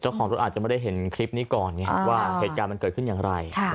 เจ้าของรถอาจจะไม่ได้เห็นคลิปนี้ก่อนว่าเหตุการณ์มันเกิดขึ้นอย่างไร